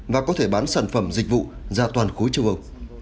và có thể bán sản phẩm dịch vụ ra toàn khối châu âu